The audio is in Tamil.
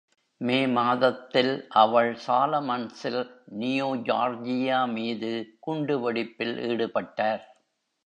மே மாதத்தில், அவள் சாலமன்ஸில் நியூ ஜார்ஜியா மீது குண்டுவெடிப்பில் ஈடுபட்டார்.